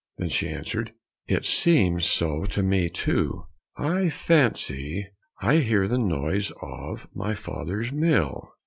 Then she answered, "It seems so to me too; I fancy I hear the noise of my father's mill."